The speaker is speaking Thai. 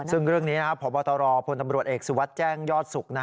ซึ่งเรื่องนี้พบตรพลตำรวจเอกสุวัสดิ์แจ้งยอดสุข